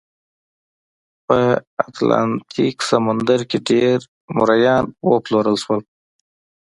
په اتلانتیک سمندر کې ډېر مریان وپلورل شول.